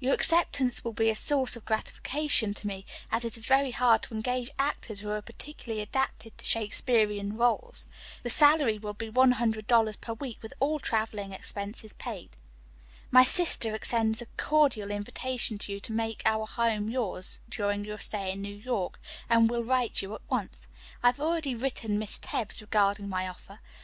Your acceptance will be a source of gratification to me, as it is very hard to engage actors who are particularly adapted to Shakespearian roles. The salary will be one hundred dollars per week with all traveling expenses paid. "My sister extends a cordial invitation to you to make our home yours during your stay in New York, and will write you at once. I have already written Miss Tebbs regarding my offer.